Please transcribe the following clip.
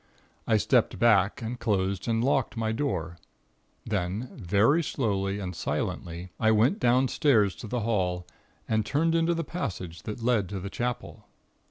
I stepped back and closed and locked my door. Then, very slowly and silently I went downstairs to the hall and turned into the passage that led to the Chapel.